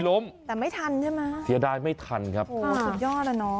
ตอนนี้ให้ล้มแต่ไม่ทันใช่มั้ยเสียดายไม่ทันครับโหสุดยอดอ่ะน้อง